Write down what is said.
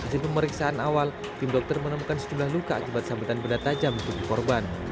hasil pemeriksaan awal tim dokter menemukan sejumlah luka akibat sambutan benda tajam tubuh korban